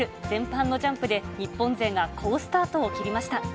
前半のジャンプで、日本勢が好スタートを切りました。